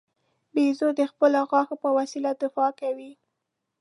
بیزو د خپلو غاښو په وسیله دفاع کوي.